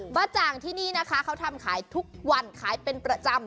จ่างที่นี่นะคะเขาทำขายทุกวันขายเป็นประจำ